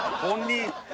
本人。